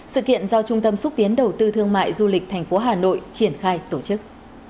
sự kiện do trung tâm xúc tiến đầu tư thương mại du lịch thành phố hà nội triển khai tổ chức